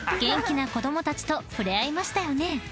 ［元気な子供たちと触れ合いましたよね］